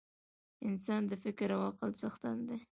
انسان د فکر او عقل څښتن دی.